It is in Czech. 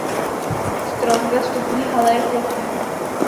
Strop ve vstupní hale je plochý.